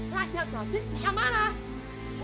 raja babi bisa marah